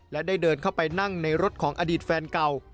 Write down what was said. และได้เดินเข้าไปนั่งในรถของอดีตแฟนเก่า